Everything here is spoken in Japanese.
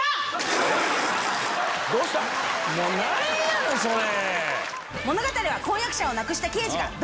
もう何やの⁉それ。